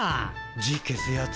字消すやつ？